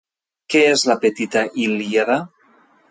Què és la Petita Ilíada?